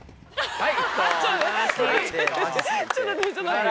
はい。